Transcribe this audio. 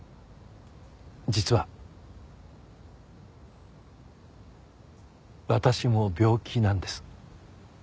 実は私も病気なんです。